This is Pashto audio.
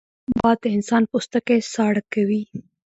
باد د انسان پوستکی ساړه کوي